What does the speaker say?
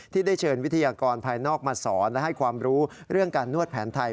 ได้เชิญวิทยากรภายนอกมาสอนและให้ความรู้เรื่องการนวดแผนไทย